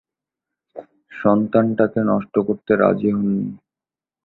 সন্তানটাকে নষ্ট করতে রাজি হননি।